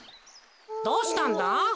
どうしたんだ？